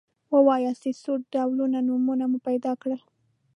ووایاست چې څو ډوله نومونه مو پیدا کړل.